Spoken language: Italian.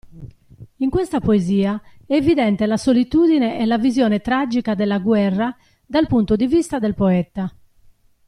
In questa poesia è evidente la solitudine e la visione tragica della guerra dal punto di vista del poeta.